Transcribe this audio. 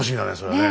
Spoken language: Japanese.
ねえ。